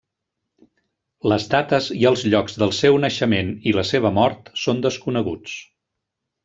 Les dates i els llocs del seu naixement i la seva mort són desconeguts.